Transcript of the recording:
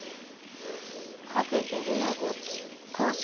「カフェベルナグ」。